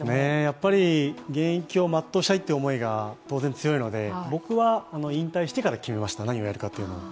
やっぱり現役を全うしたいという思いが当然強いので僕は引退してから決めました、何をやるかというのを。